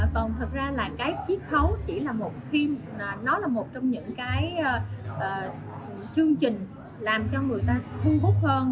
còn thật ra là cái chiết khấu chỉ là một khi nó là một trong những cái chương trình làm cho người ta hưu hút hơn